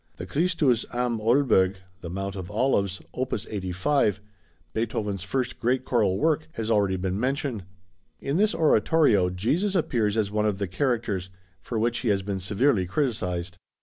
The Christus am Oelberg (The Mount of Olives), opus 85, Beethoven's first great choral work, has already been mentioned. In this oratorio Jesus appears as one of the characters, for which he has been severely criticised.